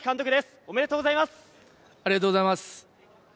おめでとうございます。